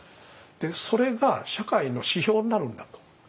それが社会の指標になるんだと。